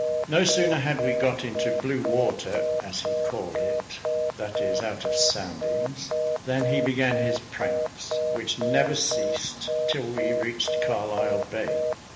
No sooner had we got into blue water, as he called it that is, out of soundings than he began his pranks, which never ceased till we reached Carlisle Bay.